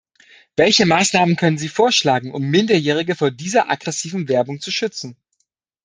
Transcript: Welche Maßnahmen können Sie vorschlagen, um Minderjährige vor dieser aggressiven Werbung zu schützen?